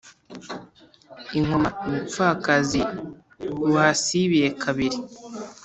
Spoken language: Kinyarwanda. I Nkoma ubupfakazi buhasibiye kabiri.